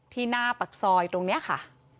ที่หน้าปักซอยตรงเนี้ยค่ะ